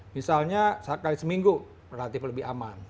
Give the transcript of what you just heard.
misalnya sekali seminggu relatif lebih aman